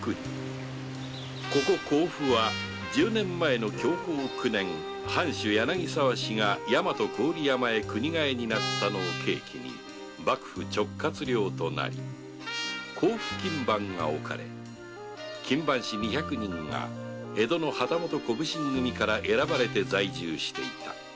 ここ甲府は十年前の享保九年藩主・柳沢氏が大和郡山へ国替えになったのを契機に幕府直轄領となり甲府勤番が置かれ勤番士二百人が江戸の旗本小普請組から選ばれて在住していた